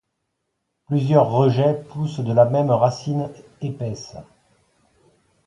Plusieurs rejets poussent de la même racine épaisse.